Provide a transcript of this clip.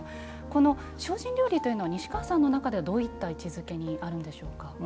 この精進料理というのは西川さんの中では、どういった位置づけにあるんでしょうか？